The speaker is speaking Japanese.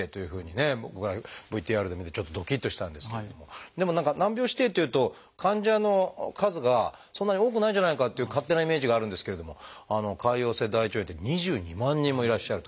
僕らＶＴＲで見てちょっとどきっとしたんですけれどもでも何か難病指定っていうと患者の数がそんなに多くないんじゃないかっていう勝手なイメージがあるんですけれども潰瘍性大腸炎って２２万人もいらっしゃる。